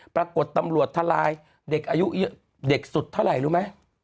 ปรากฏตำรวจทลายเด็กอายุเด็กสุดเท่าไหร่รู้ไหม